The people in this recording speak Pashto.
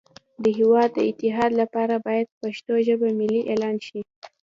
د هیواد د اتحاد لپاره باید پښتو ژبه ملی اعلان شی